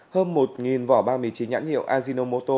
hơn một vỏ bao mì chính nhãn hiệu ajinomoto